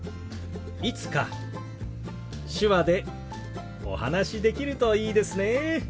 いつか手話でお話しできるといいですね。